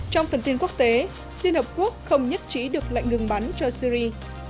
trong phần tin quốc tế liên hợp quốc không nhất trí được lệnh ngừng bắn cho syri